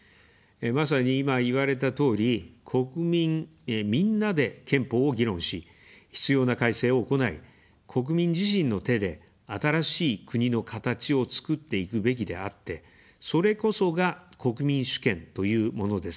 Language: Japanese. まさに今、言われたとおり、国民みんなで憲法を議論し、必要な改正を行い、国民自身の手で新しい「国のかたち」をつくっていくべきであって、それこそが、国民主権というものです。